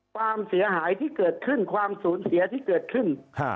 ความเสียหายที่เกิดขึ้นความสูญเสียที่เกิดขึ้น